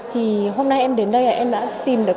thì hôm nay em đến đây là em đã tìm được